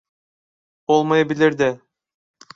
Olmayabilir de.